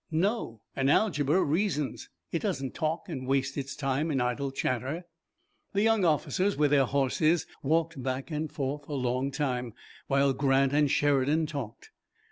"No. An algebra reasons. It doesn't talk and waste its time in idle chatter." The young officers with their horses walked back and forth a long time, while Grant and Sheridan talked.